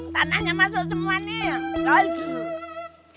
tanahnya masuk semua nih